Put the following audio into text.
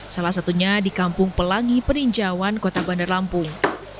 salah satunya di kampung pelangi perinjauan kota bandar lampung